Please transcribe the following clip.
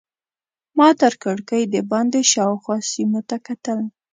ما تر کړکۍ دباندې شاوخوا سیمو ته کتل.